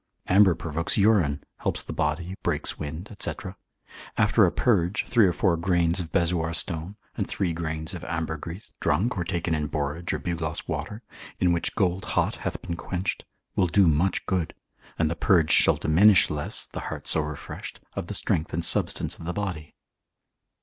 Amber provokes urine, helps the body, breaks wind, &c. After a purge, 3 or 4 grains of bezoar stone, and 3 grains of ambergris, drunk or taken in borage or bugloss water, in which gold hot hath been quenched, will do much good, and the purge shall diminish less (the heart so refreshed) of the strength and substance of the body.